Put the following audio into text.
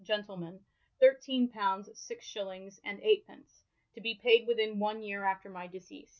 gentleman, thirteene poundes, sixe shillinges, *and eight pence, to be paied within one yeare after my deceas.